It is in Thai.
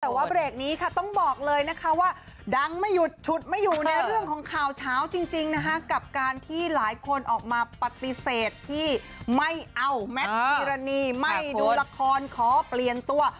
แต่ว่าเบรกนี้ค่ะต้องบอกเลยนะคะว่าดังไม่หยุดฉุดไม่อยู่ในเรื่องของข่าวเช้าจริงนะคะกับการที่หลายคนออกมาปฏิเสธที่ไม่เอาแมทพิรณีไม่ดูละครขอเปลี่ยนตัว